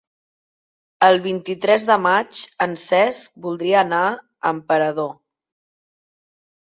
El vint-i-tres de maig en Cesc voldria anar a Emperador.